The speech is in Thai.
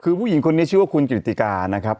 คือผู้หญิงคนนี้ชื่อว่าคุณกิติกานะครับ